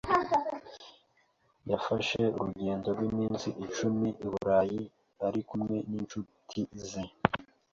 Yafashe urugendo rw'iminsi icumi i Burayi ari kumwe n'incuti ze.